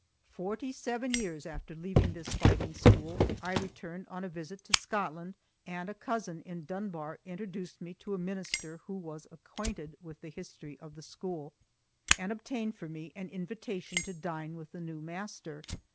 Forty seven years after leaving this fighting school, I returned on a visit to Scotland, and a cousin in Dunbar introduced me to a minister who was acquainted with the history of the school, and obtained for me an invitation to dine with the new master.